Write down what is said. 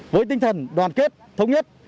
với tinh thần đoàn kết thống nhất